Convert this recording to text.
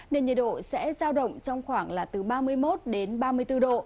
nên nhiệt độ sẽ giao động trong khoảng là từ ba mươi một đến ba mươi bốn độ